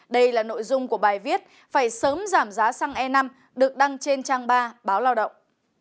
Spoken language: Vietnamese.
đây là nội dung của bài viết phải sớm giảm giá xăng e năm được đăng trên trang ba báo lao động